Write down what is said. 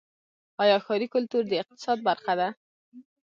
آیا ښاري کلتور د اقتصاد برخه ده؟